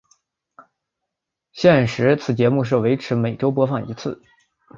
现时此节目是维持每周播放一次。